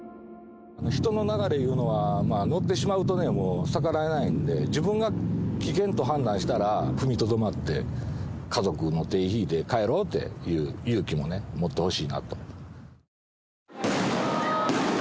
人の流れいうのは、乗ってしまうとね、もう逆らえないので、自分が危険と判断したら、踏みとどまって、家族の手ぇ引いて帰ろうっていう勇気もね、持ってほしいなと。